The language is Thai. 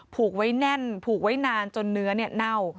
ผูกไว้แน่นผูกไว้นานจนเนื้อเน่า